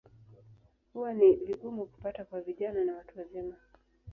Huwa ni vigumu kupata kwa vijana na watu wazima.